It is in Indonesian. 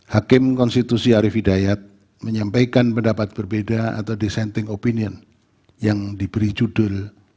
hakim konstitusi arief hidayat menyampaikan pendapat berbeda atau dissenting opinion yang diberi judul